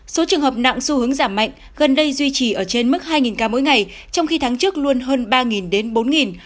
số trường hợp nặng xu hướng giảm mạnh gần đây duy trì ở trên mức hai ca mỗi ngày trong khi tháng trước luôn hơn ba đến bốn ca